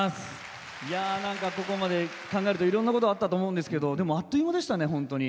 ここまで考えるといろんなことがあったと思うんですけれどあっという間でした。